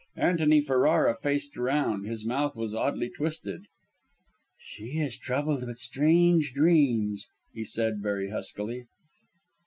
Antony Ferrara faced around; his mouth was oddly twisted. "She is troubled with strange dreams," he said, very huskily.